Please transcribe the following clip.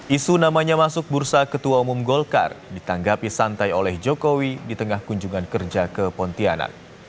isu namanya masuk bursa ketua umum golkar ditanggapi santai oleh jokowi di tengah kunjungan kerja ke pontianak